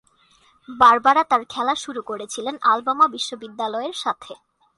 Barbara তাঁর খেলা শুরু করেছিলেন আলাবামা বিশ্ববিদ্যালয়ের সাথে।